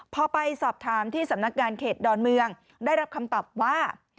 พอไปสอบถามที่สำนักงานเขตดอนเมืองได้รับคำตอบว่า